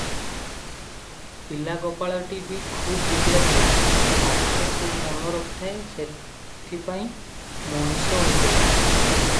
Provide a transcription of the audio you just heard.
ପିଲା ଗୋପାଳଟି ବି ଖୁବ୍ ବୁଦ୍ଧିଆ ଥିଲା; ପାଠରେ ଖୁବ୍ ମନ ରଖିଥାଏ, ଏଥିପାଇଁ ମଣିଷ ହୋଇଥିଲା ।